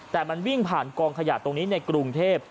แต่มันวิ่งผ่านกองขยะตรงนี้ในกรุงเทพ